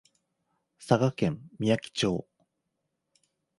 佐賀県みやき町